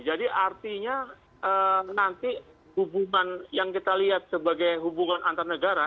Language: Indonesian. jadi artinya nanti hubungan yang kita lihat sebagai hubungan antarnegara